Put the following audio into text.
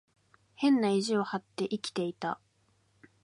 変な意地を張って生きていた。